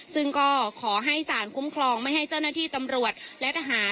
ซึ่งก็ขอให้สารคุ้มครองไม่ให้เจ้าหน้าที่ตำรวจและทหาร